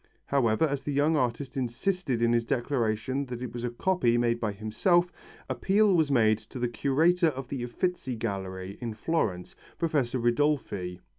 However, as the young artist insisted in his declaration that it was a copy made by himself, appeal was made to the curator of the Uffizi Gallery of Florence, Professor Ridolfi.